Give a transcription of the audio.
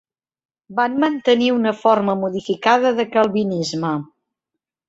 Van mantenir una forma modificada de calvinisme.